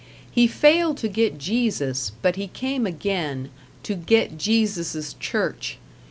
He failed to get Jesus, but he came again, to get Jesus' church.